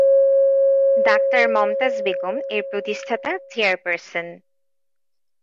Doctor Momtaz Begum এর প্রতিষ্ঠাতা chairperson.